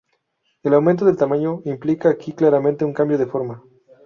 El aumento de tamaño implica aquí claramente un cambio de forma.